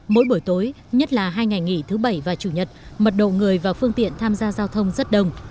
mỗi buổi tối nhất là hai ngày nghỉ thứ bảy và chủ nhật mật độ người và phương tiện tham gia giao thông rất đông